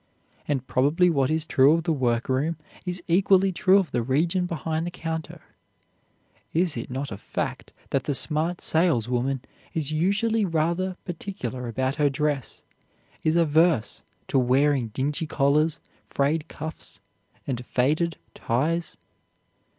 And probably what is true of the workroom is equally true of the region behind the counter. Is it not a fact that the smart saleswoman is usually rather particular about her dress, is averse to wearing dingy collars, frayed cuffs; and faded ties?